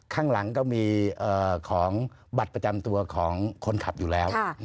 ข้างหลังก็มีของบัตรประจำตัวของคนขับอยู่แล้ว